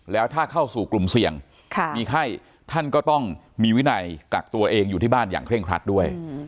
แล้วถ้าเข้าสู่กลุ่มเสี่ยงมีไข้ท่านก็ต้องมีวินัยกักตัวเองอยู่ที่บ้านอย่างเคร่งครัดด้วย